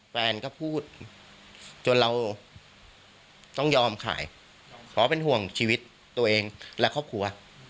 แฟนก็พูดจนเราต้องยอมขายขอเป็นห่วงชีวิตตัวเองและครอบครัว